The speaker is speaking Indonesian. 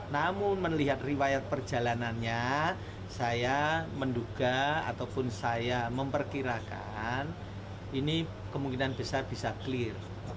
namun melihat riwayat perjalanannya saya menduga ataupun saya memperkirakan ini kemungkinan besar bisa clear